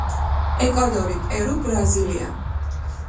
ეკვადორი, პერუ, ბრაზილია.